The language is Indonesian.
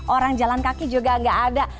orang jalan kaki juga nggak ada